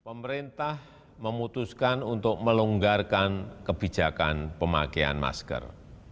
pemerintah memutuskan untuk melonggarkan kebijakan pemakaian masker